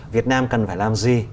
việt nam cần phải làm gì